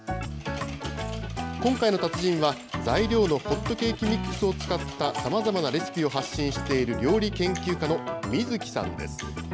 今回の達人は、材料のホットケーキミックスを使ったさまざまなレシピを発信している料理研究家のＭｉｚｕｋｉさんです。